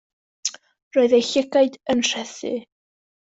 Roedd eu llygaid yn rhythu.